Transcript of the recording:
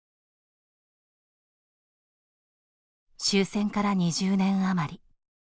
終戦から２０年あまり。